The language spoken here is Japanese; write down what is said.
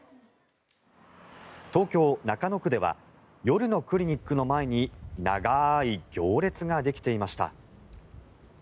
東京・中野区では夜のクリニックの前に長い行列ができていました。